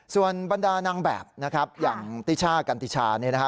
ส่วนบรรดานางแบบนะครับอย่างติช่ากันติชาเนี่ยนะฮะ